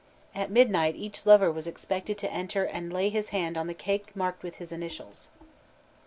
At midnight each lover was expected to enter and lay his hand on the cake marked with his initials.